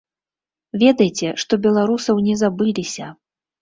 Ведайце, што беларусаў не забыліся.